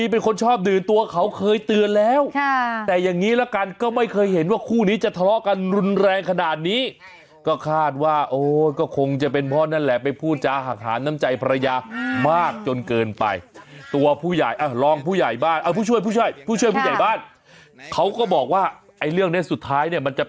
ป้ายืนยันบอกไม่ไปโอ้โหใจเด็ดปล่อยไม่สนแต่คนที่สนคือใคร